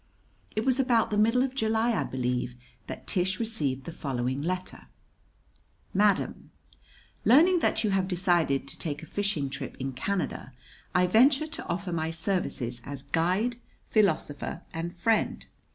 It was about the middle of July, I believe, that Tish received the following letter: Madam: Learning that you have decided to take a fishing trip in Canada, I venture to offer my services as guide, philosopher, and friend.